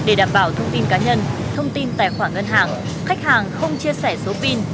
để đảm bảo thông tin cá nhân thông tin tài khoản ngân hàng khách hàng không chia sẻ số pin